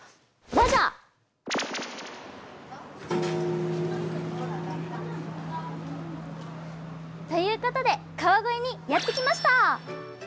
ラジャー！ということで川越にやって来ました！